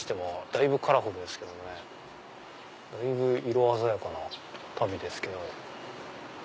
だいぶ色鮮やかな足袋ですけど。